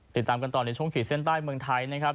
ติดตามกันต่อในช่วงขีดเส้นใต้เมืองไทยนะครับ